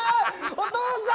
お父さん！